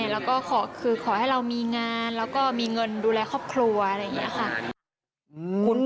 แล้วก็คือขอให้เรามีงานแล้วก็มีเงินดูแลครอบครัวอะไรอย่างนี้ค่ะ